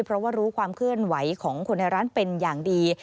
เพราะว่ารู้ความเคลื่อนไหวของคนในร้านเป็นอย่างดี